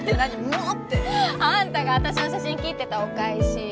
「も」ってあんたが私の写真切ってたお返し